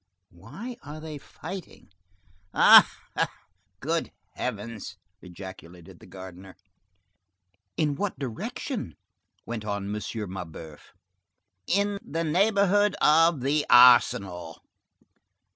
"Why are they fighting?" "Ah, good Heavens!" ejaculated the gardener. "In what direction?" went on M. Mabeuf. "In the neighborhood of the Arsenal."